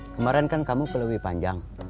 kemarin kan kamu kelewi panjang